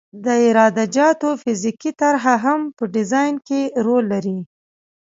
د عراده جاتو فزیکي طرح هم په ډیزاین کې رول لري